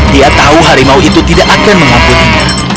dia tahu harimau itu tidak akan mengampuni dia